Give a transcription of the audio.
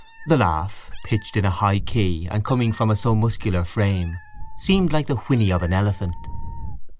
The laugh, pitched in a high key and coming from a so muscular frame, seemed like the whinny of an elephant.